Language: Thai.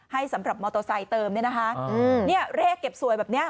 สำหรับมอเตอร์ไซค์เติมเนี่ยนะคะอืมเนี่ยเลขเก็บสวยแบบเนี้ย